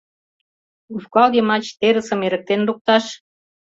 Ушкал йымач терысым эрыктен лукташ?